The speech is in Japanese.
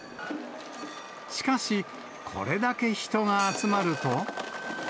しかし、これだけ人が集まると。